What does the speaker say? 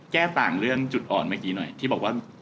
แก้ต่างเรื่องจุดอ่อนเมื่อกี้หน่อยที่บอกว่า